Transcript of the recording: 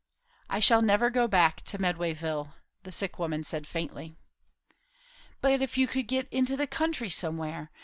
"I shall never go back to Medwayville," the sick woman said faintly. "But if you could get into the country somewhere?